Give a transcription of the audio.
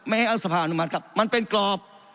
ให้รัฐสภาอนุมัติครับมันเป็นกรอบ